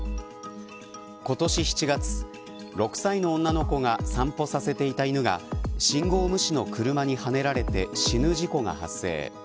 今年７月６歳の女の子が散歩させていた犬が信号無視の車にはねられて死ぬ事故が発生。